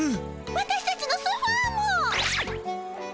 私たちのソファーも！